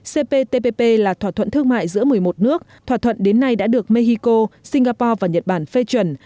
cptpp là thỏa thuận thương mại giữa một mươi một nước thỏa thuận đến nay đã được mexico singapore và nhật bản phê chuẩn